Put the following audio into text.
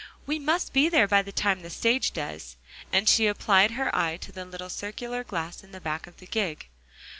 "We must be there by the time the stage does." And she applied her eye to the little circular glass in the back of the gig.